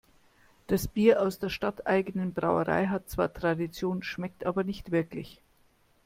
Das Bier aus der stadteigenen Brauerei hat zwar Tradition, schmeckt aber nicht wirklich.